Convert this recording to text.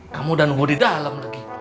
kamu udah nunggu di dalam lagi